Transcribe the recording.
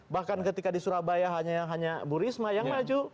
bahkan ketika di surabaya hanya bu risma yang maju